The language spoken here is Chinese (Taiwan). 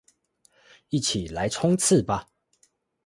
一起來衝刺吧